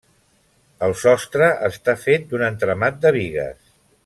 El sostre està fet d'un entramat de bigues.